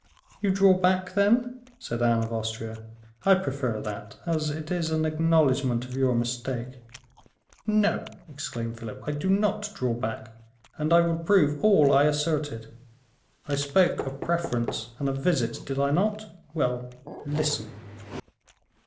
"You draw back, then?" said Anne of Austria. "I prefer that, as it is an acknowledgement of your mistake." "No!" exclaimed Philip, "I do not draw back, and I will prove all I asserted. I spoke of preference and of visits, did I not? Well, listen."